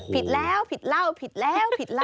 ผิดแล้วผิดละวผิดแล้ว